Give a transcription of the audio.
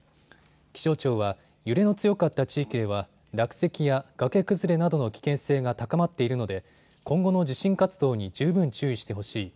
気象庁は揺れの強かった地域では落石や崖崩れなどの危険性が高まっているので今後の地震活動に十分注意してほしい。